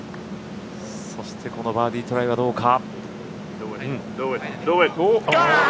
そしてこのバーディートライはどうか。